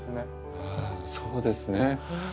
うんそうですね。